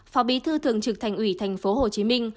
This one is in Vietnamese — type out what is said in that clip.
phó bí thư thường trực thành ủy tp hcm